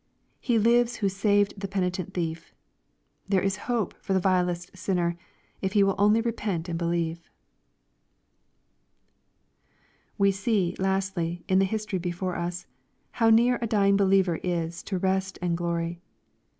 He lives who saved the penitent thief There is hope for the vilest sinner, if he will only repent and believe. We see, lastly, in the history before us, how near a dying believer is to rest and glory.